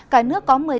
cả nước có